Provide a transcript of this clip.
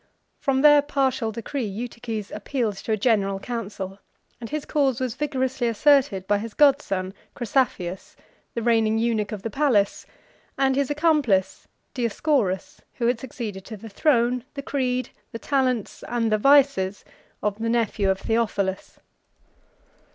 From their partial decree, Eutyches appealed to a general council; and his cause was vigorously asserted by his godson Chrysaphius, the reigning eunuch of the palace, and his accomplice Dioscorus, who had succeeded to the throne, the creed, the talents, and the vices, of the nephew of Theophilus.